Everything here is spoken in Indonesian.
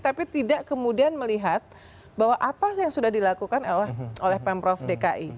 tapi tidak kemudian melihat bahwa apa sih yang sudah dilakukan oleh pemprov dki